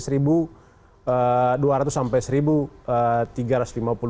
rp satu dua ratus sampai rp satu